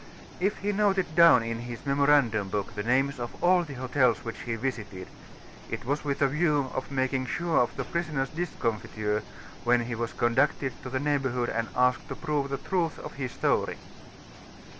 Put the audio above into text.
If he noted down in his memorandum book the names of all the hotels which he visited, it was with a view of making sure of the prisoner's discomfiture when he was conducted to the neighborhood and asked to prove the truth of his story.